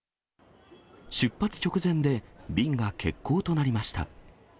出発直前で便が欠航となりました。